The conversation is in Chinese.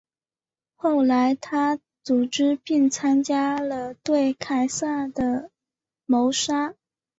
后来他组织并参与了对凯撒的谋杀。